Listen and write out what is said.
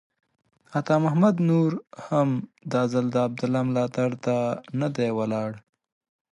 عطا محمد نور هم دا ځل د عبدالله ملاتړ ته نه دی ولاړ.